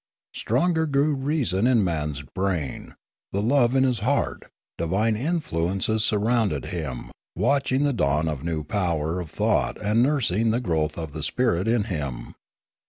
Stronger grew reason in man's brain, the love in his heart; divine influences surrounded him, watching the dawn of the new power of thought and nursing the growth of the spirit in him.